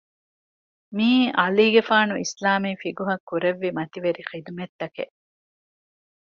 މިއީ ޢަލީގެފާނު އިސްލާމީ ފިޤުހަށް ކުރެއްވި މަތިވެރި ޚިދުމަތްތަކެއް